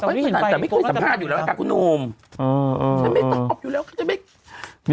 แต่ไม่เคยสัมภาษณ์อยู่แล้วอาการคุณนุ่ม